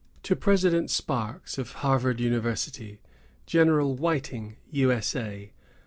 To President Sparks of Harvard University, General Whiting, U. S. A.